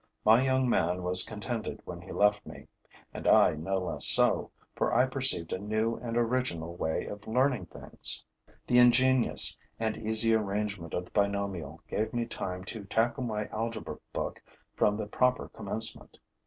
My young man was contented when he left me; and I no less so, for I perceived a new and original way of learning things. The ingenious and easy arrangement of the binomial gave me time to tackle my algebra book from the proper commencement.